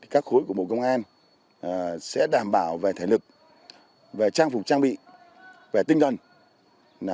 các khối của bộ công an sẽ đảm bảo về thể lực về trang phục trang bị về tinh thần